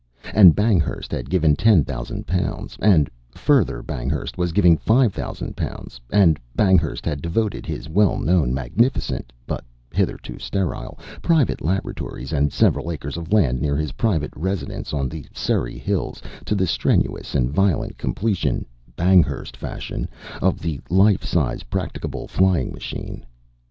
And Banghurst had given ten thousand pounds, and, further, Banghurst was giving five thousand pounds, and Banghurst had devoted his well known, magnificent (but hitherto sterile) private laboratories and several acres of land near his private residence on the Surrey hills to the strenuous and violent completion Banghurst fashion of the life size practicable flying machine.